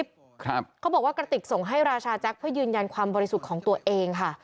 ครับเขาบอกว่ากระติกส่งให้ราชาแจ็คเพื่อยืนยันความบริสุทธิ์ของตัวเองค่ะ